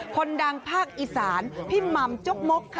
คนดังภาคอิสานพิมามจกมกค่ะ